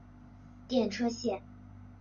电车线。